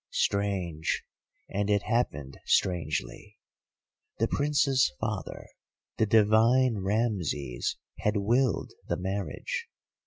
"Strange, and it happened strangely. The Prince's father, the divine Rameses, had willed the marriage.